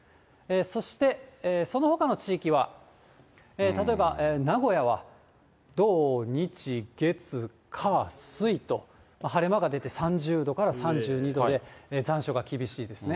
そしてそのほかの地域は、例えば名古屋は土、日、月、火、水と、晴れ間が出て、３０度から３２度で、残暑が厳しいですね。